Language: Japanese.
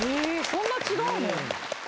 そんな違うの？